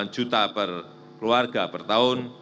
delapan juta per keluarga per tahun